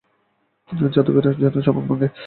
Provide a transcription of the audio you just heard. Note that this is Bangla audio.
যাদবের যেন চমক ভাঙে।